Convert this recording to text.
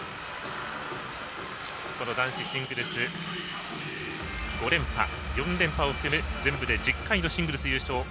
この男子シングルス５連覇、４連覇を含む全部で１０回のシングルス優勝。